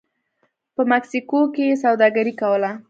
په مکسیکو کې یې سوداګري کوله